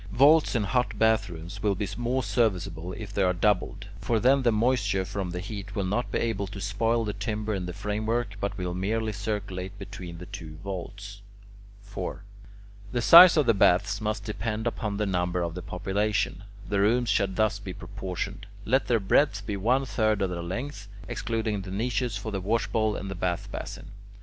Vaults in hot bath rooms will be more serviceable if they are doubled; for then the moisture from the heat will not be able to spoil the timber in the framework, but will merely circulate between the two vaults. 4. The size of the baths must depend upon the number of the population. The rooms should be thus proportioned: let their breadth be one third of their length, excluding the niches for the washbowl and the bath basin.